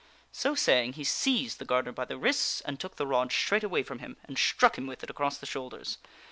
" So saying, he seized the gardener by the wrists, and took the rod straight away from him, and struck him with it across the shoulders.